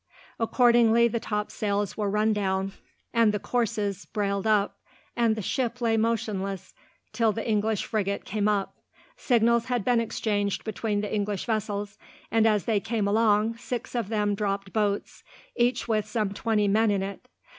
Accordingly, the topsails were run down, and the courses brailed up, and the ship lay motionless till the English frigate came up. Signals had been exchanged between the English vessels, and as they came along six of them dropped boats, each with some twenty men in it.